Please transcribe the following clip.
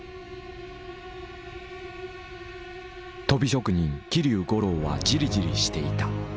鳶職人桐生五郎はじりじりしていた。